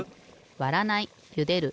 わらないゆでる